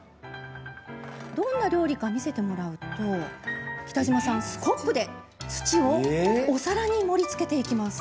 どんな料理か見せてもらうと北嶋さん、スコップで土をお皿に盛りつけていきます。